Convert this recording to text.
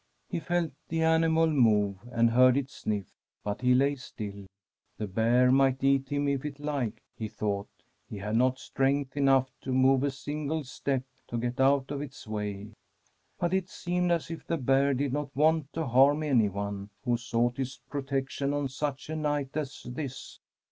He felt the animal move, and heard it sniff ; but he lay still. The bear might eat him if it liked, he thought. He had not strength enough to move a single step to get out of its way. But it seemed as if the bear did not want to harm anyone who sought its protection on such a night as this.